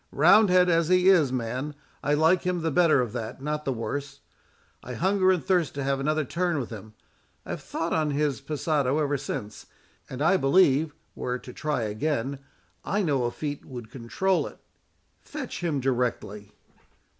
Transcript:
Roundhead as he is, man, I like him the better of that, not the worse. I hunger and thirst to have another turn with him. I have thought on his passado ever since, and I believe, were it to try again, I know a feat would control it. Fetch him directly."